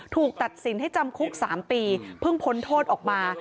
ถูกตัดสินให้จำคุก๓ปีเพิ่งพ้นโทษออกมา